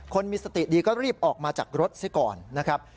คนมีสติดีก็รีบออกมาจากรถซิก่อนนะครับ